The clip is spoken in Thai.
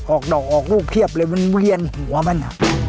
ออกดอกออกลูกเพียบเลยมันเวียนหัวมัน